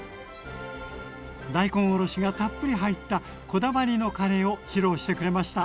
大根おろしがたっぷり入ったこだわりのカレーを披露してくれました。